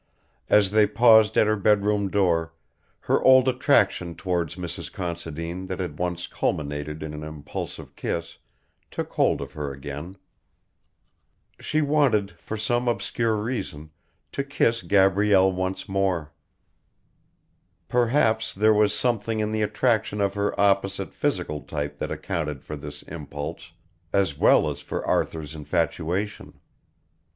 As they paused at her bedroom door, her old attraction towards Mrs. Considine that had once culminated in an impulsive kiss took hold of her again. She wanted, for some obscure reason, to kiss Gabrielle once more. Perhaps there was something in the attraction of her opposite physical type that accounted for this impulse as well as for Arthur's infatuation.